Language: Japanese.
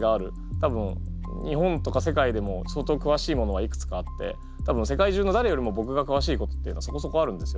多分日本とか世界でも相当くわしいものはいくつかあって多分世界中のだれよりもぼくがくわしいことっていうのはそこそこあるんですよ。